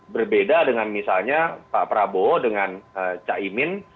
berbeda dengan misalnya pak prabowo dengan cak imin